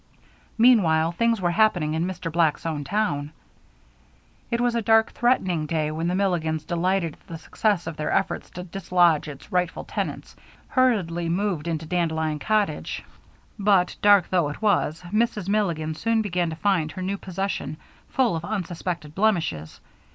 Meanwhile, things were happening in Mr. Black's own town. It was a dark, threatening day when the Milligans, delighted at the success of their efforts to dislodge its rightful tenants, hurriedly moved into Dandelion Cottage; but, dark though it was, Mrs. Milligan soon began to find her new possession full of unsuspected blemishes.